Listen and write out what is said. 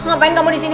ngapain kamu disini